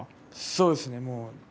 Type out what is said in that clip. そうですね。